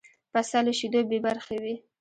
پسه له شیدو بې برخې وي.